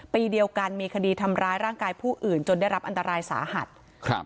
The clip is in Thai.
ปีเดียวกันมีคดีทำร้ายร่างกายผู้อื่นจนได้รับอันตรายสาหัสครับ